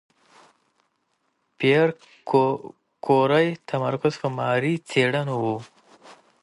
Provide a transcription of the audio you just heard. د پېیر کوري تمرکز په ماري څېړنو و.